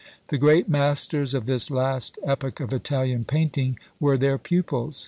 The great masters of this last epoch of Italian painting were their pupils.